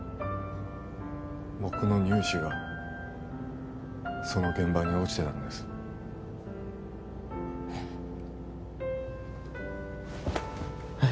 僕の乳歯がその現場に落ちてたんですえっ？